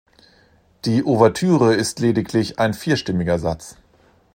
Die Ouvertüre ist lediglich ein vierstimmiger Satz.